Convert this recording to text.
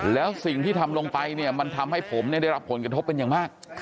แล้วสิ่งที่ทำลงไปเนี่ยมันทำให้ผมได้รับผลกระทบเป็นอย่างมาก